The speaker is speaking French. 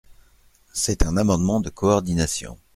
C’est un amendement de coordination.